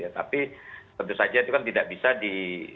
tapi tentu saja itu kan tidak bisa di